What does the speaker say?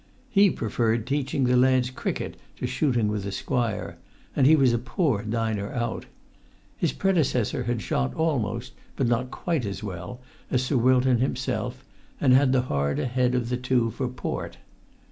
He preferred teaching the lads cricket to shooting with the squire, and he was a poor diner out. His predecessor had shot almost (but not quite) as well as Sir Wilton himself, and had the harder head of the two for port.